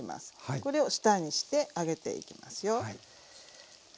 これを下にして揚げていきますよ。